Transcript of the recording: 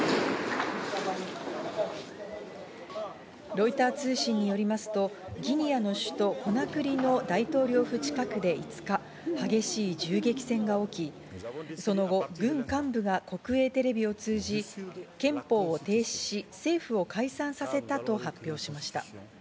ロイター通信によりますとギニアの首都コナクリの大統領府近くで５日、激しい銃撃戦が起き、その後、軍幹部が国営テレビを通じ憲法を停止し、政府を解散させたと発表しました。